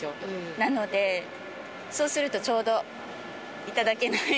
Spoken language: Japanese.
なので、そうすると、ちょうど頂けない。